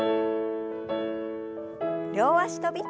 両脚跳び。